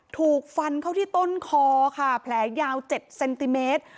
ถูกฟันเข้าที่ต้นคอค่ะแผลยาว๗เซนติเมตร